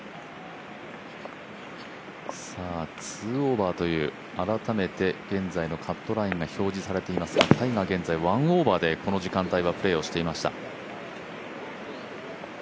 ２オーバーという、改めて現在のカットラインが表示されていますがタイガー１オーバーでこの時間帯はプレーをしていました。